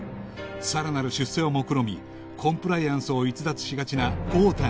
さらなる出世をもくろみコンプライアンスを逸脱しがちな豪太に